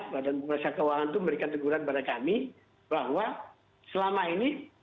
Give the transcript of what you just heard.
badan penguasa keuangan itu memberikan teguran kepada kami bahwa selama ini